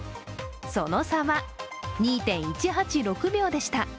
その差は、２．１８６秒でした。